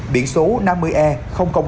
biển số năm mươi đồng